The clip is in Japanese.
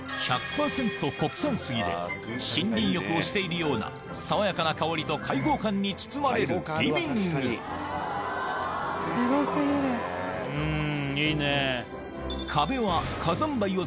国産杉で森林浴をしているような爽やかな香りと開放感に包まれるリビングうん。